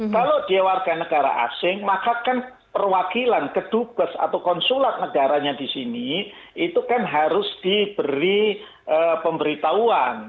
kalau dia warga negara asing maka kan perwakilan kedubes atau konsulat negaranya di sini itu kan harus diberi pemberitahuan